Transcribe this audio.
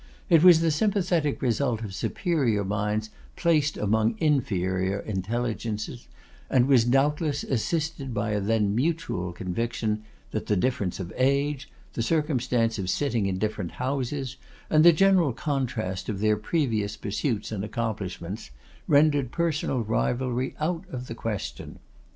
It was the sympathetic result of superior minds placed among inferior intelligences, and was, doubtless, assisted by a then mutual conviction, that the difference of age, the circumstance of sitting in different houses, and the general contrast of their previous pursuits and accomplishments, rendered personal rivalry out of the question.